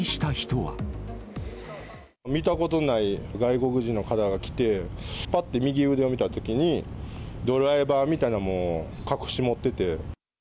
見たことない外国人の方が来て、ぱって右腕を見たときに、ドライバーみたいなものを隠し持ってて。